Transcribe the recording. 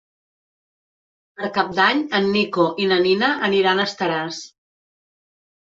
Per Cap d'Any en Nico i na Nina aniran a Estaràs.